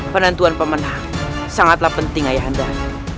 penantuan pemenang sangatlah penting ayahandar